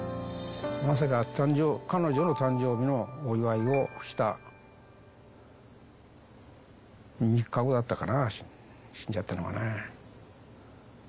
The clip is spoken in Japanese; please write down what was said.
まさか彼女の誕生日のお祝いをした３日後だったかな、死んじゃったのがね。